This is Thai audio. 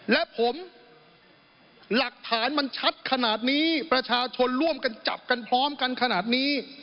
และผมหลักฐานมันชัดขนาดนี้ประชาชนร่วมกันจับกันพร้อมกันขนาดนี้